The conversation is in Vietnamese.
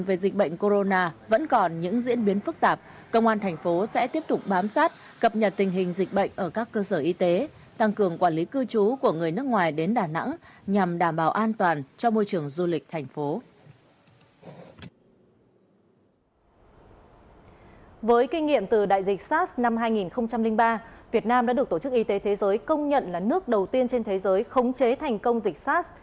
với kinh nghiệm từ đại dịch sars năm hai nghìn ba việt nam đã được tổ chức y tế thế giới công nhận là nước đầu tiên trên thế giới khống chế thành công dịch sars